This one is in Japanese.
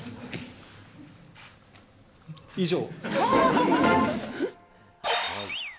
以上。